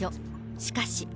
しかし。